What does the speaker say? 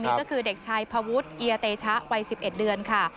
นี่ก็คือเด็กชายพวุฒิเอียเตชะวัย๑๑เดือนค่ะ